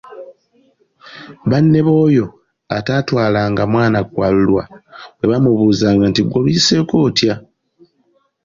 Banne b’oyo ataatwalanga mwana kwalulwa bwe baamubuuzanga nti ‘gwe oluyiseeko otya?`